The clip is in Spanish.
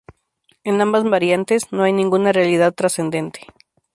En ambas variantes, no hay ninguna realidad trascendente.